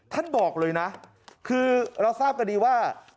ท่านบอกเลยนะคือเราทราบกันดีว่า